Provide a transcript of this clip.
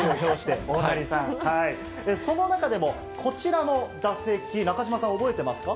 その中でもこちらの打席、中島さん、覚えてますか？